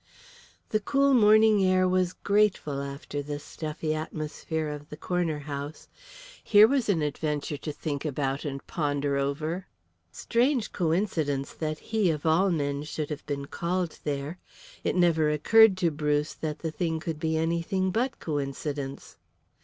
The cool morning air was grateful after the stuffy atmosphere of the corner house. Here was an adventure to think about and ponder over. Strange coincidence that he of all men should have been called there! It never occurred to Bruce that the thing could be anything but coincidence.